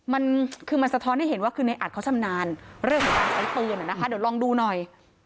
มันคือมันสะท้อนให้เห็นว่าคือในอัดเขาชำนาญเรื่องของการใช้ปืนนะคะเดี๋ยวลองดูหน่อย